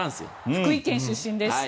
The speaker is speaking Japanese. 福井県出身です。